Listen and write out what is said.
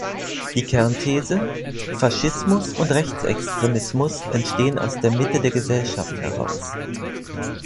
Die Kernthese: Faschismus und Rechtsextremismus entstehen aus der Mitte der Gesellschaft heraus.